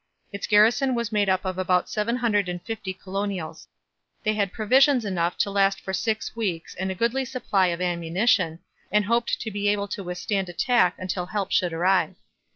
Its garrison was made up of about seven hundred and fifty colonials. They had provisions enough to last for six weeks and a goodly supply of ammunition, and hoped to be able to withstand attack until help should arrive.